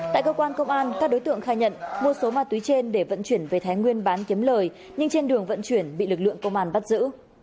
tại cơ quan công an các đối tượng khai nhận mua số ma túy trên để vận chuyển về thái nguyên bán kiếm lời nhưng trên đường vận chuyển bị lực lượng công an bắt giữ